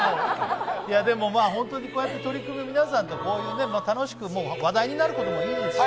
本当にこうやって取り組みを皆さんと楽しく、話題になることもいいですし。